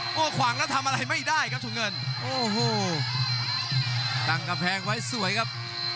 ก็ขวางแล้วทำอะไรไม่ได้ครับถุงเงินโอ้โหตั้งกำแพงไว้สวยครับ